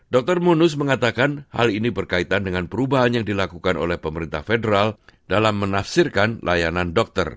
dr monus mengatakan hal ini berkaitan dengan perubahan yang dilakukan oleh pemerintah federal dalam menafsirkan layanan dokter